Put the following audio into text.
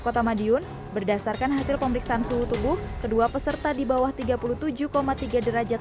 kota madiun berdasarkan hasil pemeriksaan suhu tubuh kedua peserta di bawah tiga puluh tujuh tiga derajat